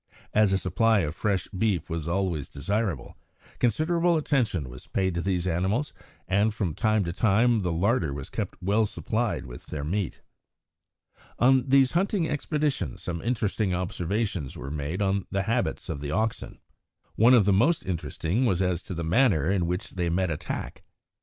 As a supply of fresh beef was always desirable, considerable attention was paid to these animals, and, from time to time, the larder was kept well supplied with their meat. On these hunting expeditions some interesting observations were made on the habits of the oxen. One of the most interesting was as to the manner in which they met attack.